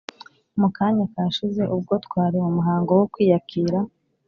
mu kanya kashize ubwo twari mu muhango wo kwiyakira